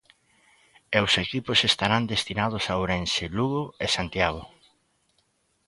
E os equipos estarán destinados a Ourense, Lugo e Santiago.